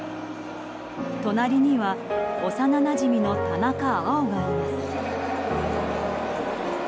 隣には幼なじみの田中碧がいます。